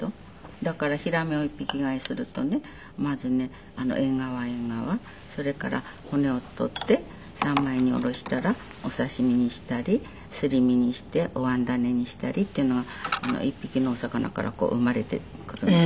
だからヒラメを１匹買いするとねまずねエンガワエンガワそれから骨を取って３枚におろしたらお刺し身にしたりすり身にしてお椀種にしたりっていうのが１匹のお魚から生まれてくるんですよね。